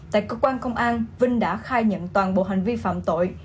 tại cơ quan công an vinh đã khai nhận toàn bộ hành vi phạm tội